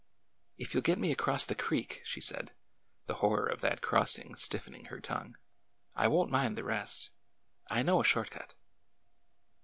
" If you 'll get me across the creek," she said, the hor ror of that crossing stiffening her tongue, I won't mind the rest. I know a short cut."